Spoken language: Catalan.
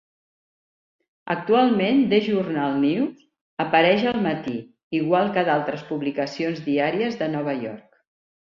Actualment The Journal News apareix al matí, igual que d'altres publicacions diàries de Nova York.